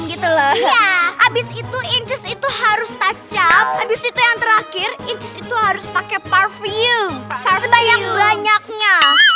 gitu loh habis itu itu harus touch up habis itu yang terakhir itu harus pakai parfum parfum banyaknya